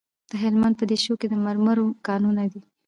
د هلمند په دیشو کې د مرمرو کانونه دي.